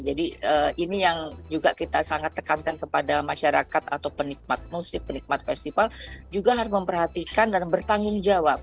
jadi ini yang juga kita sangat tekankan kepada masyarakat atau penikmat musik penikmat festival juga harus memperhatikan dan bertanggung jawab